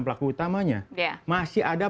pelaku utamanya masih ada